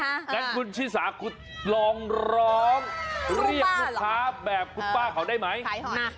งั้นคุณชิซาคุณลองเรียกมูฐาแบบคุณป้าเขาได้ไหม